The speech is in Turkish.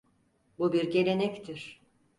Bu bir gelenektir.